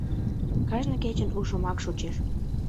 Кажне кечын у шомак шочеш.